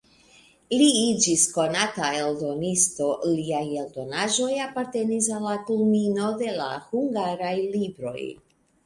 Li iĝis konata eldonisto, liaj eldonaĵoj apartenis al la kulmino de la hungaraj libroj.